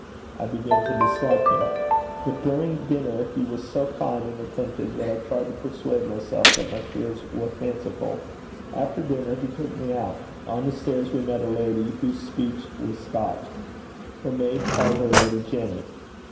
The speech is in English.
I began to dislike him. But during dinner he was so kind and attentive that I tried to persuade myself that my fears were fanciful. After dinner he took me out. On the stairs we met a lady whose speech was Scotch. Her maid called her Lady Janet.